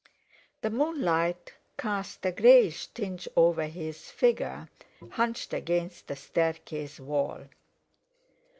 The moonlight cast a greyish tinge over his figure, hunched against the staircase wall.